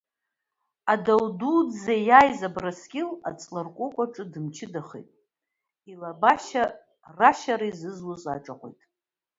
Адау дуӡӡа ииааиз, Абрыскьыл аҵларкәыкә аҿы дымчыдахеит илабашьа рашьра изызуаз аҿаҟәеит.